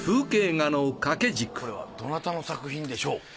これはどなたの作品でしょう？